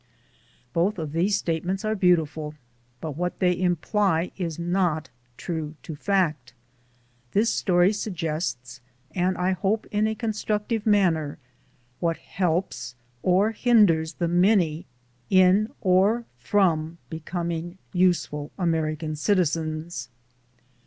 Both of these state ments are beautiful, but what they imply is not true to fact. This story suggests and I hope in a con structive manner what helps or hinders the many in or from becoming useful American citizens.